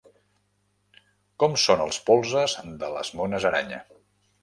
Com són els polzes de les mones aranya?